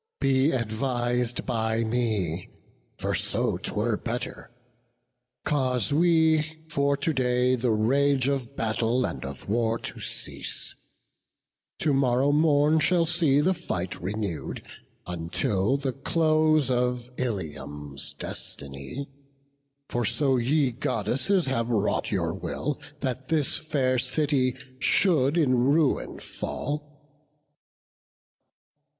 Be advis'd by me, For so 'twere better; cause we for today The rage of battle and of war to cease; To morrow morn shall see the fight renew'd, Until the close of Ilium's destiny; For so ye Goddesses have wrought your will, That this fair city should in ruin fall."